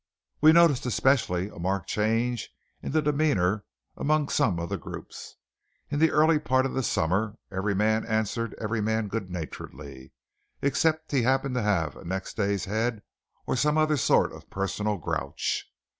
We noticed especially a marked change in demeanour among some of the groups. In the early part of the summer every man answered every man good naturedly, except he happened to have a next day's head or some other sort of a personal grouch.